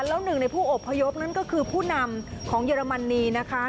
แล้วหนึ่งในผู้อบพยพนั่นก็คือผู้นำของเยอรมนีนะคะ